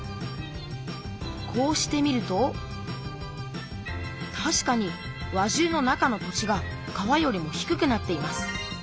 こうして見るとたしかに輪中の中の土地が川よりも低くなっています。